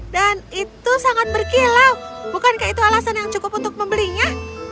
dan itu sangat berkilau bukankah itu alasan yang cukup untuk membelinya